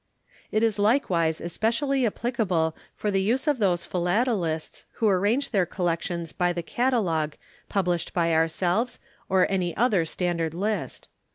It is likewise especially applicable for the use of those Philatelists who arrange their collections by the Catalogue published by ourselves or any other standard list.